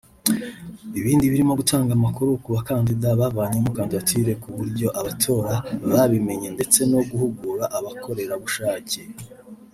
Ibindi birimo gutanga amakuru ku bakandida bavanyemo kandidatire ku buryo abatora babimenya ndetse no guhugura abakorerabushake